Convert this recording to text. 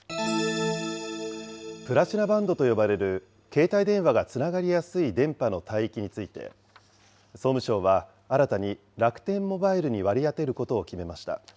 プラチナバンドと呼ばれる携帯電話がつながりやすい電波の帯域について、総務省は新たに楽天モバイルに割り当てることを決めました。